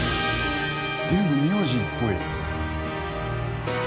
全部名字っぽい。